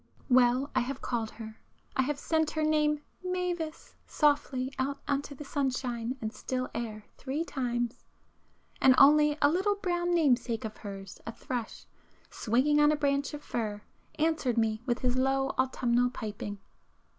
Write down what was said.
····· Well, I have called her. I have sent her name 'Mavis!' softly out on the sunshine and still air three times, and only a little brown namesake of hers, a thrush, swinging on a branch of fir, answered me with his low autumnal piping.